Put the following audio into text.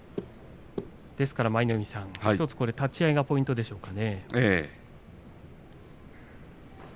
舞の海さん、１つ立ち合いがポイントでしょうか。